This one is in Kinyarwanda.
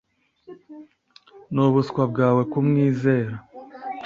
Nubuswa bwawe kumwizera.